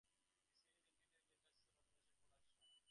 The series is intended for industrial automation and production.